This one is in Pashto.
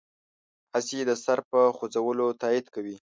هسې د سر په خوځولو تایید کوي.